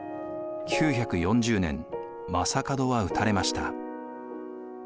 ９４０年将門は討たれました。